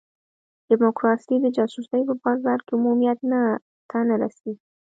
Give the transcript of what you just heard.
ډیموکراسي د جاسوسۍ په بازار کې عمومیت ته نه رسي.